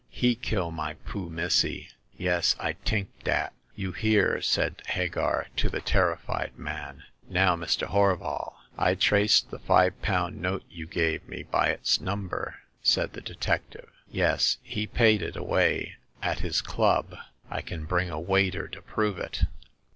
He kill my poo* missy —j'^es, I tink dat." You hear," said Hagar to the terrified man. '' Now, Mr. Horval." I traced the five pound note you gave me by its number," said the detective. Yes, he paid it away at his club : I can bring a waiter to prove it."